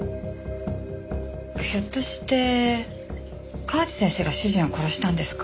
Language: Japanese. ひょっとして河内先生が主人を殺したんですか？